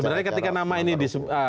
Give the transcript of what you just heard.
sebenarnya ketika nama ini disebut